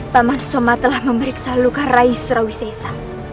paman soma telah memeriksa luka rai surawisesa